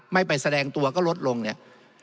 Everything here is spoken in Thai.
ไม่ไปแสดงตัวก็ลดลงเนี่ย